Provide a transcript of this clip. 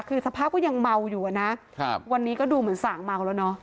คือสภาพก็ยังเมาอยู่อะนะวันนี้ก็ดูเหมือนสั่งเมาแล้วเนอะ